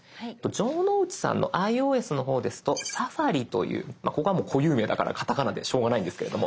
城之内さんのｉＯＳの方ですと「Ｓａｆａｒｉ」というここはもう固有名だからカタカナでしょうがないんですけれども「サファリ」。